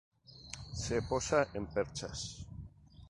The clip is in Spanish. Se posa en perchas.